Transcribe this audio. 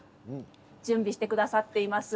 準備してくださっています。